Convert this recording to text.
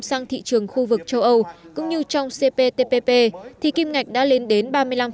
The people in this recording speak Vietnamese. sang thị trường khu vực châu âu cũng như trong cptpp thì kim ngạch đã lên đến ba mươi năm